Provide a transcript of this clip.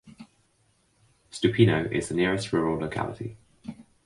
Stupino is the nearest rural locality.